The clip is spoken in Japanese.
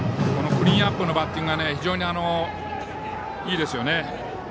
クリーンナップのバッティングがいいですよね。